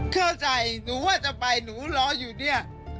เข้าใจหนูว่าจะไปหนูรออยู่เนี่ย